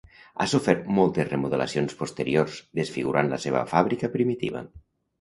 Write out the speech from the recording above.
Ha sofert moltes remodelacions posteriors, desfigurant la seva fàbrica primitiva.